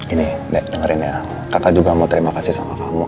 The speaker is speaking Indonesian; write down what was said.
ini dengerin ya kakak juga mau terima kasih sama kamu